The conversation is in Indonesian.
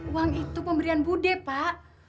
uang itu pemberian bude pak